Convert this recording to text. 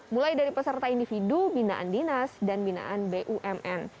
mulai dari peserta individu binaan dinas dan binaan bumn